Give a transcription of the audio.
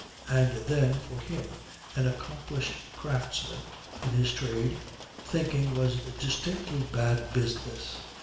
And then, for him, an accomplished craftsman in his trade, thinking was distinctly "bad business."